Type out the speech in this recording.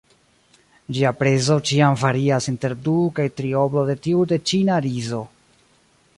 Ĝia prezo ĉiam varias inter du- kaj trioblo de tiu de ĉina rizo.